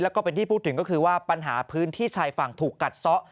แล้วก็เป็นที่พูดถึงก็คือว่าปัญหาพื้นที่ชายฝั่งถูกกัดซะ